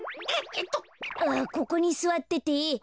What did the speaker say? ここにすわってて。